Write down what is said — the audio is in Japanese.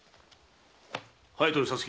隼人に皐月。